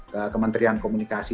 ke kementerian komunikasi